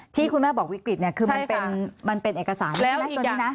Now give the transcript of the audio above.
ที่คุณแม่บอกวิกฤตเนี่ยคือมันเป็นเอกสารใช่ไหมตัวนี้นะ